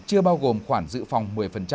chưa bao gồm khoản dự phòng một mươi